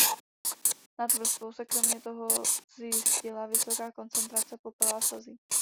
Nad vrstvou se kromě toho zjistila vysoká koncentrace popela a sazí.